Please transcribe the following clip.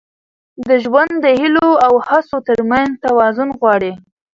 ژوند د هیلو او هڅو تر منځ توازن غواړي.